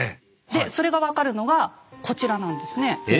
でそれが分かるのがこちらなんですね。